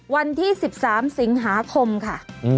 วันที่๑๓สิงหาคมค่ะ